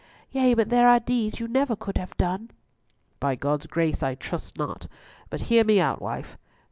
"Yea, but there are deeds you never could have done." "By God's grace I trust not; but hear me out, wife.